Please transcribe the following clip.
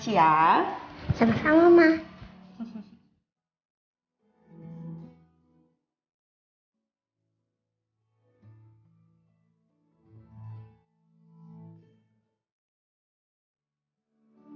suapan kedua mbak mbak